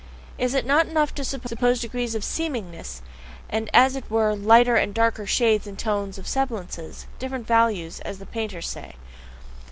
Is it not enough to suppose degrees of seemingness, and as it were lighter and darker shades and tones of semblance different valeurs, as the painters say?